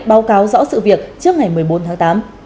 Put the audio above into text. báo cáo rõ sự việc trước ngày một mươi bốn tháng tám